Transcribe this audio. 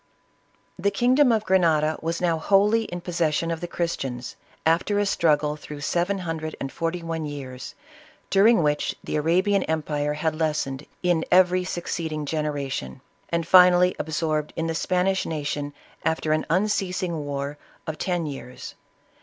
The kingdom of Grenada was now wholly in posses sion of the Christians, after a struggle through seven hundred and forty one years, during which the Ara bian empire had lessened in every succeeding genera tion, and finally absorbed in the Spanish nation after an unceasing war of ten years.